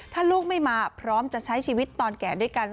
ถ้าลูกไม่มาพร้อมจะใช้ชีวิตตอนแก่ด้วยกัน